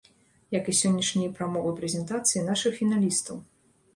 Як і сённяшнія прамовы-прэзентацыі нашых фіналістаў.